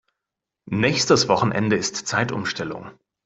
Nächstes Wochenende ist Zeitumstellung.